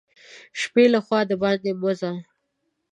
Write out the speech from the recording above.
د شپې له خوا دباندي مه ځه !